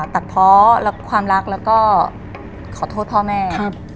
ตัดเพาะความรักแล้วก็ขอโทษพ่อแม่